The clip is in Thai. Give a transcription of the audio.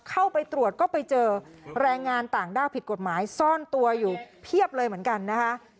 เข้าไปตรวจก็ไปเจอแรงงานต่างด้าวผิดกฎหมายซ่อนตัวอยู่เพียบเลยเหมือนกันนะคะ